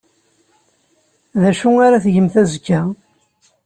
D acu ara tgemt azekka?